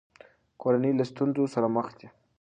کورنۍ له ستونزو سره مخ دي.